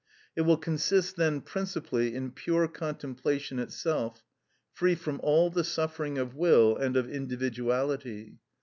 It will consist then principally in pure contemplation itself, free from all the suffering of will and of individuality.